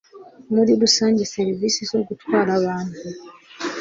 muri rusange serivisi zo gutwara abantu